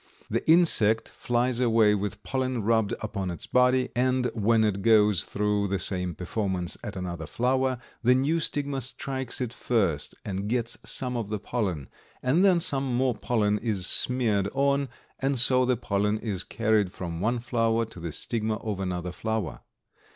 The insect flies away with pollen rubbed upon its body, and when it goes through the same performance at another flower, the new stigma strikes it first and gets some of the pollen, and then some more pollen is smeared on, and so the pollen is carried from one flower to the stigma of another flower.